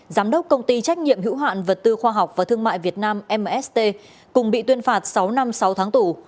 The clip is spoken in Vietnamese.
giám đốc công ty trách nhiệm hữu hạn vật tư khoa học và thương mại việt nam mst cùng bị tuyên phạt sáu năm sáu tháng tù